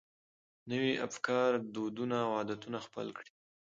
نوي افکار، دودونه او عادتونه خپل کړي.